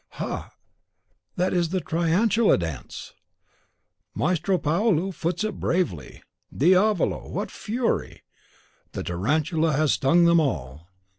Ha, that is the Tarantula dance; Maestro Paolo foots it bravely! Diavolo, what fury! the Tarantula has stung them all.